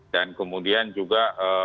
dan kemudian juga